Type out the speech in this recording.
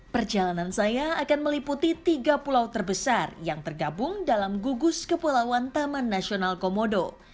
perjalanan saya akan meliputi tiga pulau terbesar yang tergabung dalam gugus kepulauan taman nasional komodo